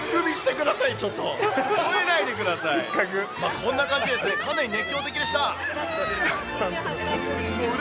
こんな感じでですね、かなり熱狂的でした。